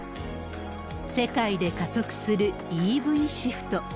世界で加速するＥＶシフト。